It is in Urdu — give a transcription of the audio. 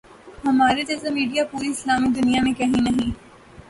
ہمارے جیسا میڈیا پوری اسلامی دنیا میں کہیں نہیں۔